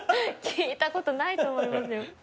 聞いたことないと思いますよ。